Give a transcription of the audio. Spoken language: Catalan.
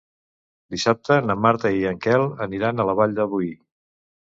Dissabte na Marta i en Quel aniran a la Vall de Boí.